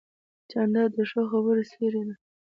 جانداد د ښو خبرو سیوری دی.